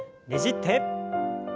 ねじって。